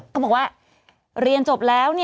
เขาบอกว่าเรียนจบแล้ว